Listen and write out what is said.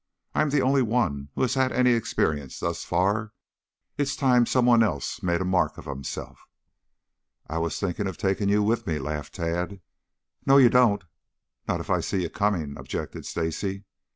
I'm the only one who has had any experience thus far. It's time some one else made a mark of himself." "I was thinking of taking you with me," laughed Tad. "No, you don't! Not if I see you coming," objected Stacy.